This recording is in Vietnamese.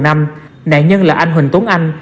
nạn nhân là anh huỳnh tốn anh